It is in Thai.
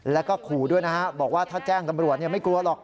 แล้วก็ขู่ด้วยนะฮะบอกว่าถ้าแจ้งตำรวจไม่กลัวหรอก